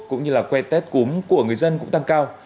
cũng như là que tét cúm của người dân cũng tăng cao